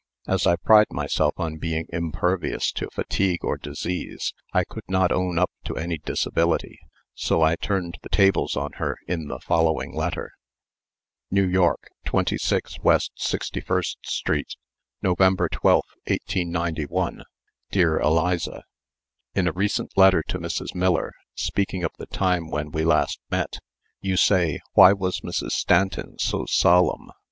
As I pride myself on being impervious to fatigue or disease, I could not own up to any disability, so I turned the tables on her in the following letter: "New York, 26 West 61st Street, November 12, 1891. "Dear Eliza: "In a recent letter to Mrs. Miller, speaking of the time when we last met, you say, 'Why was Mrs. Stanton so solemn?'